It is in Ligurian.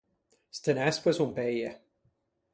Ste nespoe son peie.